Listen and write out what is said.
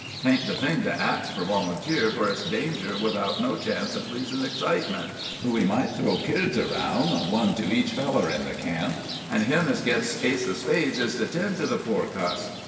'Taint the thing to ax fur volunteers, fur it's danger without no chance of pleasin' excitement. We might throw keerds aroun', one to each feller in the camp, and him as gets ace of spades is to tend to the poor cuss."